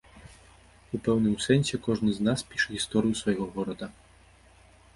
У пэўным сэнсе кожны з нас піша гісторыю свайго горада.